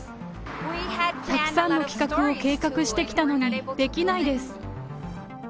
たくさんの企画を計画してしてきたのに、できないです。